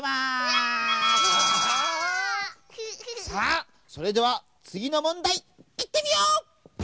さあそれではつぎのもんだいいってみよう！